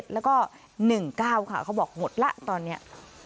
๘๗๒๙๒๗แล้วก็๑๙ค่ะเขาบอกหมดละตอนเนี้ย